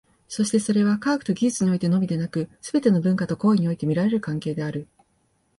そしてそれは、科学と技術においてのみでなく、すべての文化と行為において見られる関係である。